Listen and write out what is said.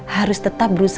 harus tetap berusaha